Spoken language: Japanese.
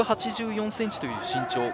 １８４ｃｍという身長。